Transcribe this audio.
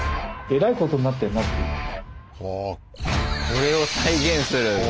これを再現する！